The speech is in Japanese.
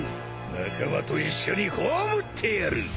仲間と一緒に葬ってやる！